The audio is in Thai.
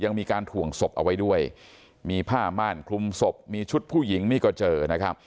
ยังมีการถ่วงศพเอาไว้ด้วยมีผ้าม่านคลุมศพมีชุดผู้หญิงนี่ก็เจอนะครับ